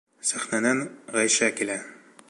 Сәхнәнән Ғәйшә килә.